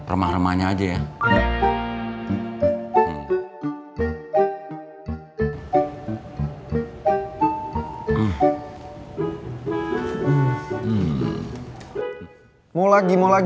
remah remahnya aja ya